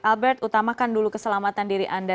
albert utamakan dulu keselamatan diri anda